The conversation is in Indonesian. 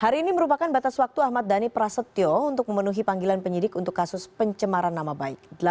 hari ini merupakan batas waktu ahmad dhani prasetyo untuk memenuhi panggilan penyidik untuk kasus pencemaran nama baik